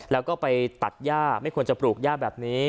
แล้วก็ไปตัดย่าไม่ควรจะปลูกย่าแบบนี้